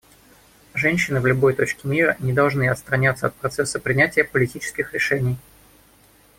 Женщины в любой точке мира не должны отстраняться от процесса принятия политических решений.